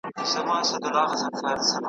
له یوه کوهي را وزي بل ته لوېږي .